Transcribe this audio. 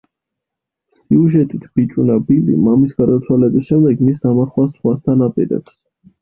სიუჟეტით ბიჭუნა ბილი, მამის გარდაცვალების შემდეგ მის დამარხვას ზღვასთან აპირებს.